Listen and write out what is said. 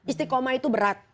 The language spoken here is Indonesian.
istikomah itu berat